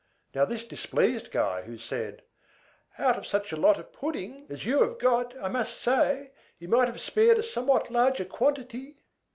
Now, this displeased Guy, who said, "Out of such a lot of pudding as you have got, I must say, you might have spared a somewhat larger quantity."